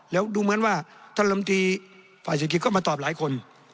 แล้วดูเหมือนว่าท่านลำตีฝ่ายเศรษฐกิจก็มาตอบหลายคน